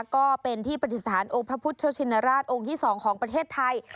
ก็เป็นที่ปฏิสถานองค์พระพุทธชินราชองค์ที่๒ของประเทศไทย